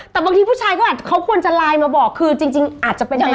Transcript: แต่บางทีผู้ชายเขาควรจะไลน์มาบอกคือจริงอาจจะเป็นยังไง